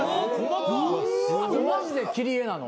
マジで切り絵なの？